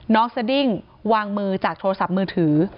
สดิ้งวางมือจากโทรศัพท์มือถือ